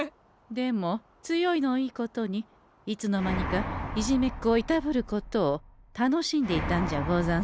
でも強いのをいいことにいつの間にかいじめっ子をいたぶることを楽しんでいたんじゃござんせんか？